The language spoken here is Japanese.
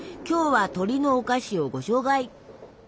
今日は鳥のお菓子をご紹介。